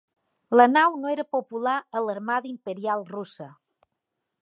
La nau no era popular a l'Armada Imperial Russa.